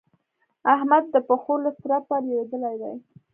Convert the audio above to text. احمد د پښو له ترپه لوېدلی دی.